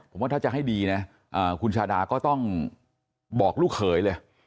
ผมว่าถ้าจะให้ดีนะคุณชาดาก็ต้องบอกลูกเขยเลย